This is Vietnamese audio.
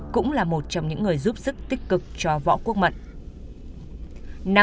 cũng là một trong những người giúp sức tích cực cho võ quốc mận